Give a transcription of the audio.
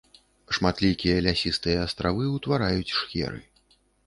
Шматлікія лясістыя астравы ўтвараюць шхеры.